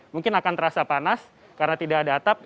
mungkin akan terasa panas karena tidak ada atap